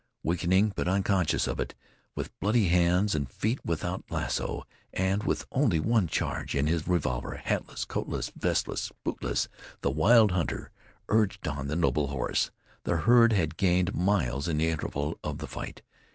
Weakening, but unconscious of it, with bloody hands and feet, without lasso, and with only one charge in his revolver, hatless, coatless, vestless, bootless, the wild hunter urged on the noble horse. The herd had gained miles in the interval of the fight.